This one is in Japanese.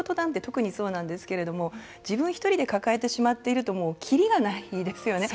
特にそうなんですけれども自分１人で抱えてしまっていると切りがないですよね。